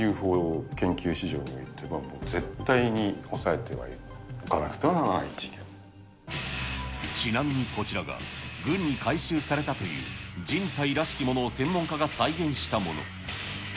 ＵＦＯ研究史上において絶対に押さえてはおかなくてはならない事ちなみにこちらが、軍に回収されたという人体らしきものを専門家が再現したもの。